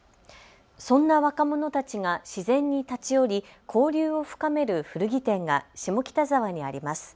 そんな若者たちが自然に立ち寄り交流を深める古着店が下北沢にあります。